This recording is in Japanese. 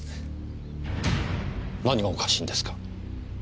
何がおかしいんですか？